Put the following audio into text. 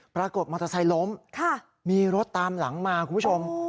ปรากฏมอเตอร์ไซค์ล้มมีรถตามหลังมาคุณผู้ชม